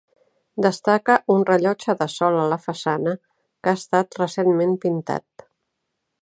Destaca un rellotge de sol a la façana que ha estat recentment pintat.